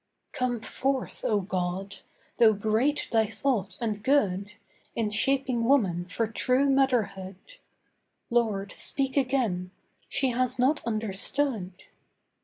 Come forth, O God! though great Thy thought and good, In shaping woman for true Motherhood, Lord, speak again; she has not understood.